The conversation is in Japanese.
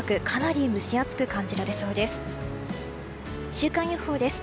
週間予報です。